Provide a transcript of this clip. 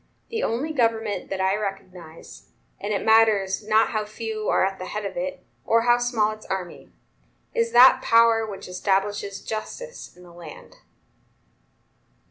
The only government that I recognize, and it matters not how few are at the head of it, or how small its army, is that power which establishes justice in the land."